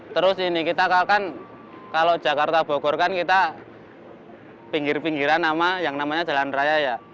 terus ini kita kan kalau jakarta bogor kan kita pinggir pinggiran sama yang namanya jalan raya ya